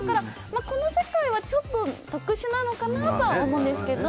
この世界は、ちょっと特殊なのかなとは思うんですけど。